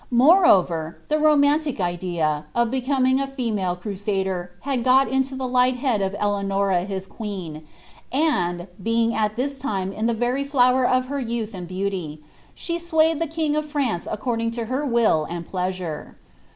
Moreover, the romantic idea, of becoming a female crusader. luJ c<>i into the ligbl head of Eieanora his queen; and, being at ilii~ very flower of her youth and beauty, she swayed the K' . according to her will and pleasure.